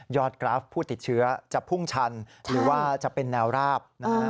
กราฟผู้ติดเชื้อจะพุ่งชันหรือว่าจะเป็นแนวราบนะฮะ